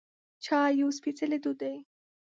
چای یو سپیڅلی دود دی.